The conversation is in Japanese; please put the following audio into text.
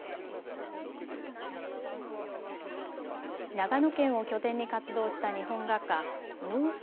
長野県を拠点に活動した日本画家、野生司